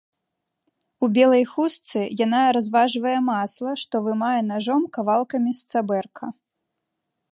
У белай хустцы яна разважвае масла, што вымае нажом кавалкамі з цабэрка.